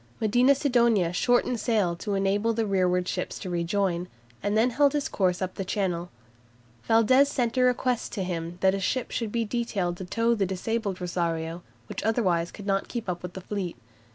Medina Sidonia shortened sail to enable the rearward ships to rejoin, and then held his course up Channel. Valdes sent a request to him that a ship should be detailed to tow the disabled "Rosario," which otherwise could not keep up with the fleet.